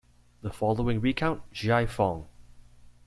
The following recount, Giai Phong!